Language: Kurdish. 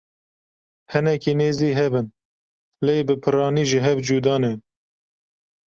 Hinekî nêzî hev in lê bi piranî ji hev cuda ne.